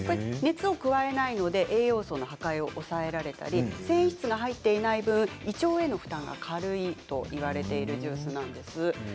熱を加えないので栄養素の破壊を抑えられたり繊維質が入っていない分胃腸への負担が軽いといわれているジュースです。